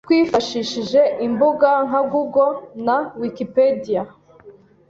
twifashishije imbuga nka Google na Wikipedia